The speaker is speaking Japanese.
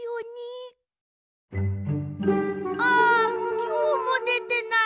あきょうもでてない。